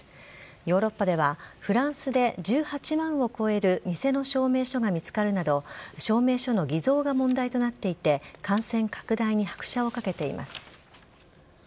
ヨーロッパでは、フランスで１８万を超える偽の証明書が見つかるなど、証明書の偽造が問題となっていて、感染拡大に拍車をかけています。